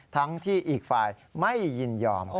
ทั้งที่อีกฝ่ายไม่ยินยอม